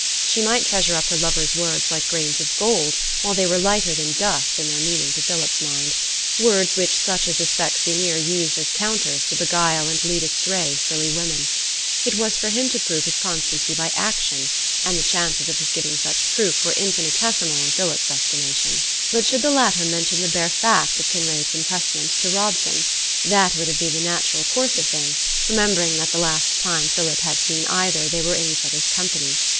She might treasure up her lover's words like grains of gold, while they were lighter than dust in their meaning to Philip's mind; words which such as the specksioneer used as counters to beguile and lead astray silly women. It was for him to prove his constancy by action; and the chances of his giving such proof were infinitesimal in Philip's estimation. But should the latter mention the bare fact of Kinraid's impressment to Robson? That would have been the natural course of things, remembering that the last time Philip had seen either, they were in each other's company.